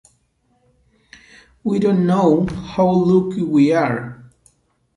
We Don't Know How Lucky We Are!